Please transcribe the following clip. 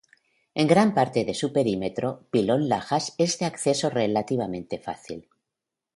En gran parte de su perímetro, Pilón Lajas es de acceso relativamente fácil.